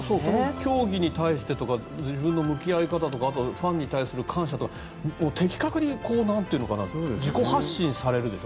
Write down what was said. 競技に対してとか自分の向き合い方ファンに対する感謝とか的確に自己発信されるでしょ。